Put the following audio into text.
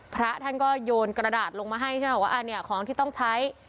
พระท่านก็โยนกระดาษลงมาให้ว่าอันนี้ของที่ต้องใช้